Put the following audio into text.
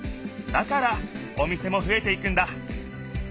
だからお店もふえていくんだ。